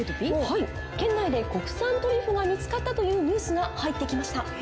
県内で国産トリュフが見つかったというニュースが入って来ました。